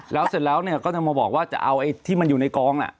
แล้วเสร็จแล้วก็จะมาบอกว่าจะเอาไอ้ที่มันอยู่ในกองน่ะ